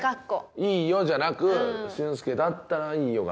「いいよ」じゃなく「俊介だったらいいよ」が。